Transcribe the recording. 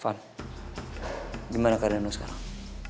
van gimana keadaanmu sekarang